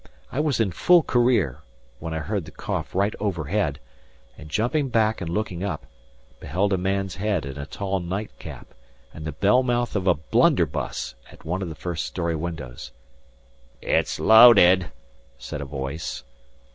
I was in full career, when I heard the cough right overhead, and jumping back and looking up, beheld a man's head in a tall nightcap, and the bell mouth of a blunderbuss, at one of the first storey windows. "It's loaded," said a voice.